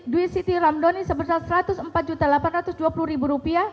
dwi siti ramdoni sebesar rp satu ratus empat delapan ratus dua puluh